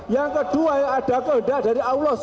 yang kedua yang ada kehendak dari allah